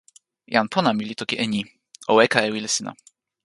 jan pona mi li toki e ni: o weka e wile sina.